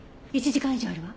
１時間以上あるわ。